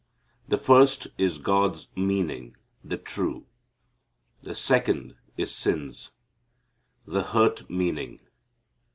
The first is God's meaning, the true. The second is sin's, the hurt meaning.